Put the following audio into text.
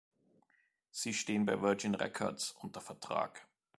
Sie stehen bei Virgin Records unter Vertrag.